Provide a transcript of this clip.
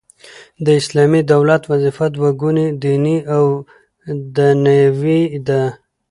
د اسلامي دولت وظیفه دوه ګونې دیني او دنیوې ده.